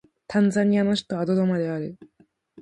タンザニアの首都はドドマである